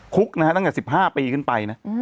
คุกนะฮะตั้งแต่๑๕ปีขึ้นไปนะ